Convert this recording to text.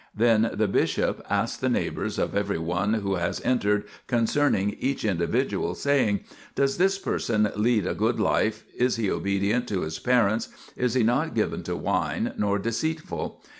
Then the bishop asks the neighbours of every one who has entered concerning each indi vidual, saying :" Does this person lead a good life, is he obedient to his parents, is he not given to wine, nor deceitful